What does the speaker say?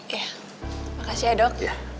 iya makasih ya dok